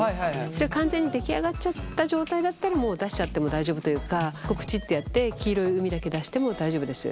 それが完全に出来上がっちゃった状態だったらもう出しちゃっても大丈夫というかぷちっとやって黄色い膿だけ出しても大丈夫です。